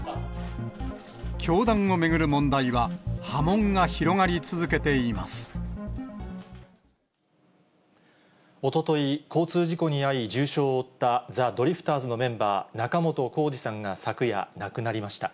教団を巡る問題は、波紋が広おととい、交通事故に遭い、重傷を負ったザ・ドリフターズのメンバー、仲本工事さんが昨夜、亡くなりました。